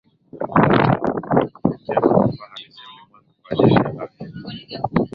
mara tatu kwa kufikia manufaa halisi ya ulimwengu kwa ajili ya afya